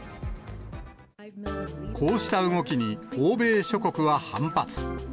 こうした動きに、欧米諸国は反発。